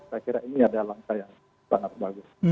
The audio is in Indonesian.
saya kira ini adalah langkah yang sangat bagus